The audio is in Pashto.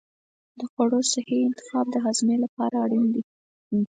د خوړو صحي انتخاب د هاضمې لپاره اړین دی.